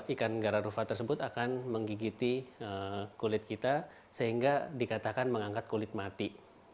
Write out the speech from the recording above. ikan gararufa tersebut akan menggigiti kulit kita sehingga dikatakan mengangkat kulit mati